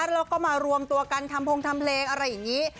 แล้วก็มารวมตัวกันทำพงทำเพลงอะไรอย่างนี้